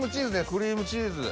クリームチーズ。